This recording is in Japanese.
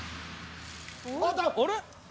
・あれ？